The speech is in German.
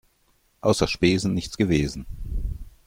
Außer Spesen nichts gewesen.